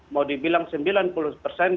mau dibilang sembilan puluh persen